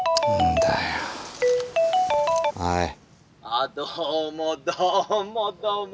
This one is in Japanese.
「あっどうもどうもどうも。